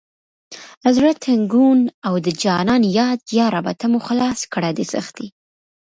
زړه تنګون او د جانان یاد یا ربه ته مو خلاص کړه دې سختي…